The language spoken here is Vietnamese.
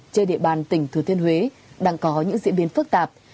trên địa bàn tỉnh thừa thiên huế đang có những diễn biến phức tạp